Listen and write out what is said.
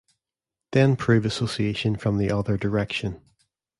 Then prove association from the other direction.